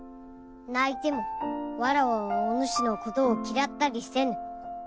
泣いてもわらわはおぬしの事を嫌ったりせぬ。